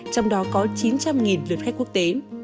trong đó có chín trăm linh lượt khách quốc tế